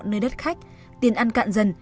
nơi đất khách tiền ăn cạn dần